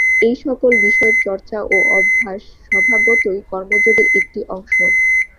এই সকল বিষয়ের চর্চা ও অভ্যাস স্বভাবতই কর্মযোগের একটি অংশ।